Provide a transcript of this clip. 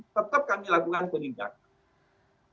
tetap kami lakukan penindakan